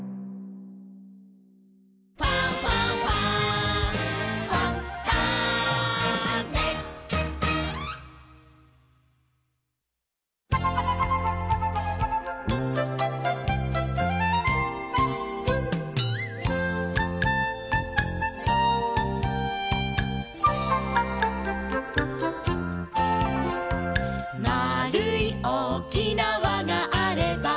「ファンファンファン」「まあるいおおきなわがあれば」